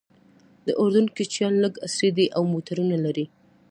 د اردن کوچیان لږ عصري دي او موټرونه لري.